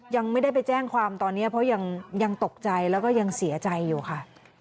ยังไม่ได้ไปแจ้งความตอนนี้เพราะยังตกใจแล้วก็ยังเสียใจอยู่ค่ะ